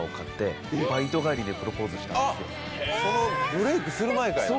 ブレークする前かいな？